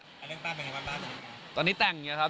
เรื่องตั้งไปยังไงบ้านปลาย